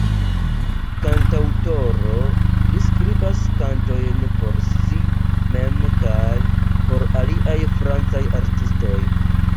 Kantaŭtoro, li skribas kantojn por si mem kaj por aliaj francaj artistoj.